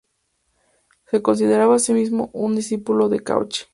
Se consideraba a sí mismo un discípulo de Cauchy.